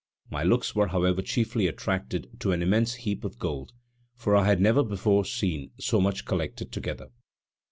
My looks were however chiefly attracted to an immense heap of gold, for I had never before seen so much collected together.